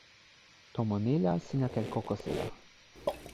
tomo ni la sina ken kokosila.